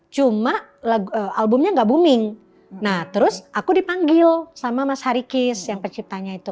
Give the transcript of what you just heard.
cuma albumnya nggak booming nah terus aku dipanggil sama mas harikis yang penciptanya itu